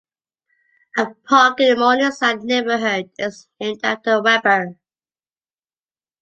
A park in the Morningside neighborhood is named after Weber.